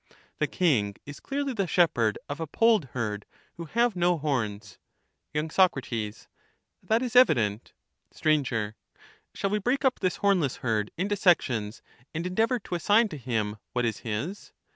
The king is clearly the shepherd of a polled herd, who have no horns. to '^^. Y. Soc. That is evident. Str. Shall we break up this hornless herd into sections, and endeavour to assign to him what is his